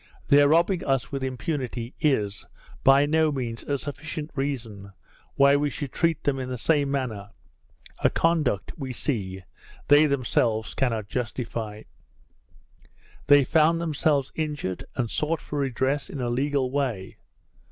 Their robbing us with impunity is, by no means, a sufficient reason why we should treat them in the same manner, a conduct, we see, they themselves cannot justify: They found themselves injured, and sought for redress in a legal way.